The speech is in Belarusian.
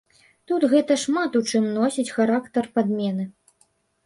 Тут гэта шмат у чым носіць характар падмены.